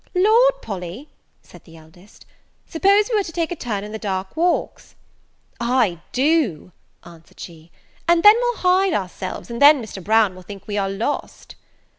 "Lord, Polly," said the eldest, "suppose we were to take a turn in the dark walks!" "Aye, do," answered she; "and then we'll hide ourselves, and then Mr. Brown will think we are lost."